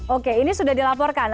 oke ini sudah dilaporkan